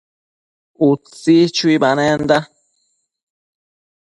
Utsibo chuibanenda